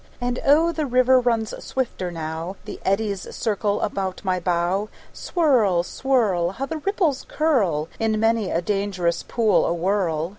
And oh, the river runs swifter now; The eddies circle about my bow. Swirl, swirl! How the ripples curl In many a dangerous pool awhirl!